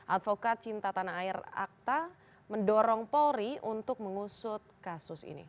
advokat cinta tanah air akta mendorong polri untuk mengusut kasus ini